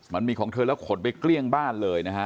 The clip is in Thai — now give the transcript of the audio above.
มันมีของเธอแล้วขนไปเกลี้ยงบ้านเลยนะฮะ